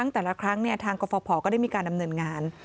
แต่ละครั้งทางกรฟภก็ได้มีการดำเนินงาน